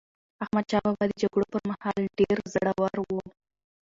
احمدشاه بابا د جګړو پر مهال ډېر زړور و.